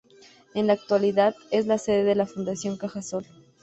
En la actualidad, es la sede de la Fundación Cajasol.